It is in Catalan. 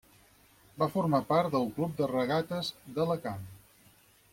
Va formar part del Club de Regates d'Alacant.